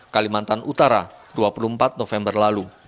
kalimantan utara dua puluh empat november lalu